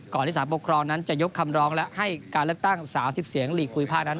ที่สารปกครองนั้นจะยกคำร้องและให้การเลือกตั้ง๓๐เสียงหลีกภูมิภาคนั้น